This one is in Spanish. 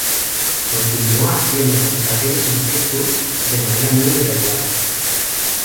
Continuó haciendo presentaciones en Pittsburgh de manera muy irregular.